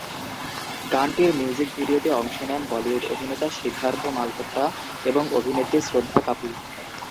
গানটির মিউজিক ভিডিওতে অংশ নেন বলিউড অভিনেতা সিদ্ধার্থ মালহোত্রা এবং অভিনেত্রী শ্রদ্ধা কাপুর।